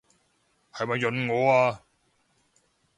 係咪潤我啊？